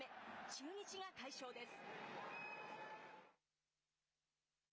中日が快勝です。